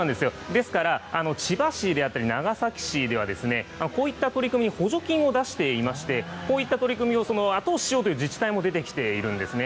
ですから、千葉市であったり、長崎市では、こういった取り組みに補助金を出していまして、こういった取り組みを後押ししようという自治体も出てきているんですね。